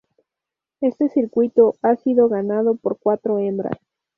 Este circuito ha sido ganado por cuatro hembras.